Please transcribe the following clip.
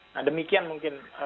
nah demikian mungkin